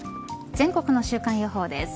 全国の週間予報です。